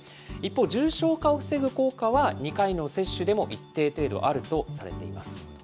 一方、重症化を防ぐ効果は２回の接種でも一定程度あるとされています。